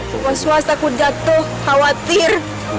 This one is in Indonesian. suas suas takut jatuh khawatir